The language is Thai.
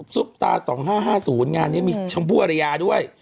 ซุปตา๒๕๕๐งานนี้มีชมพู่อรยาด้วย